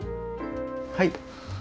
はい。